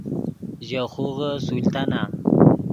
ژے خوغے سلطانہ